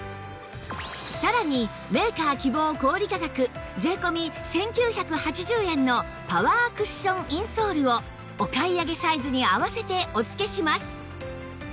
さらにメーカー希望小売価格税込１９８０円のパワークッションインソールをお買い上げサイズに合わせてお付けします